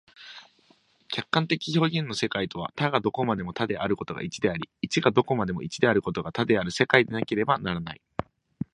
客観的表現の世界とは、多がどこまでも多であることが一であり、一がどこまでも一であることが多である世界でなければならない。